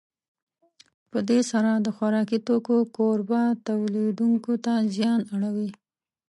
په دې سره د خوراکي توکو کوربه تولیدوونکو ته زیان اړوي.